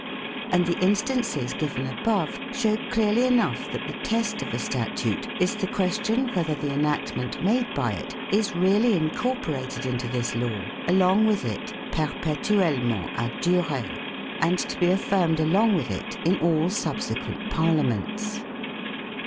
And the instances given above show clearly enough that the test of a statute is the ques tion whether the enactment made by it is really in corporated into this law, along with it " perpetuelment a durer " and to be affirmed along with it in all subse quent Parliaments.